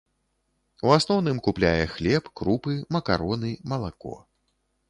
У асноўным купляе хлеб, крупы, макароны, малако.